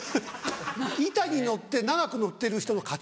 板に乗って長く乗ってる人の勝ち？